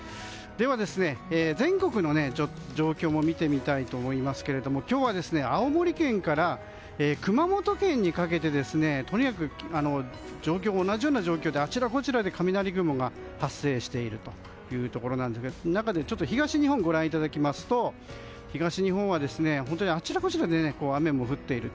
では、全国の状況も見てみたいと思いますけども今日は、青森県から熊本県にかけてとにかく同じような状況であちらこちらで雷雲が発生しているということですが中でも東日本をご覧いただきますと本当にあちらこちらで雨が降っている。